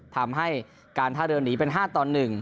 ทำให้การท่าเรือหนีเป็น๕ต่อ๑